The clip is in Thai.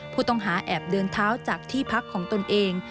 ผู้ต้องหาแอบเดินเท้าจากที่พักของตนเอง